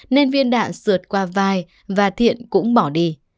nên viên đạn sượt qua vai và thiện cũng bỏ đi